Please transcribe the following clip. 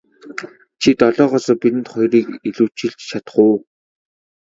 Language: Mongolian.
Чи долоогоосоо бидэнд хоёрыг илүүчилж чадах уу.